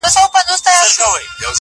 o غل په غره کي نه ځائېږي٫